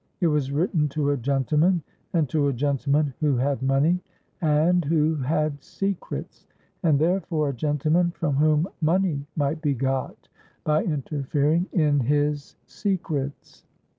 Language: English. It was written to a gentleman, and to a gentleman who had money, and who had secrets; and, therefore, a gentleman from whom money might be got, by interfering in his secrets.